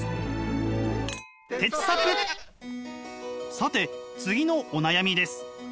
さて次のお悩みです。